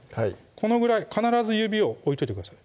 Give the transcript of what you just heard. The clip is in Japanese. このぐらい必ず指を置いといてください